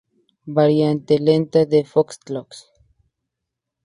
Variante lenta del Foxtrot.